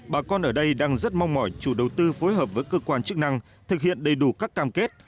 bà con ở đây đang rất mong mỏi chủ đầu tư phối hợp với cơ quan chức năng thực hiện đầy đủ các cam kết